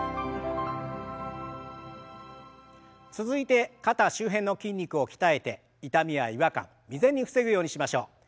続いて肩周辺の筋肉を鍛えて痛みや違和感未然に防ぐようにしましょう。